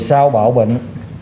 sau bạo bệnh